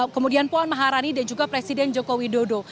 kemudian puan maharani dan juga presiden joko widodo